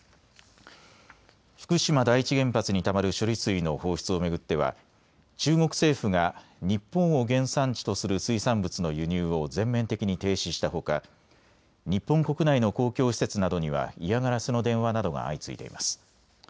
福島第一原発にたまる処理水の放出を巡っては中国政府が日本を原産地とする水産物の輸入を全面的に停止したほか日本国内の公共施設などには嫌がらせの電話などが相次いでいます。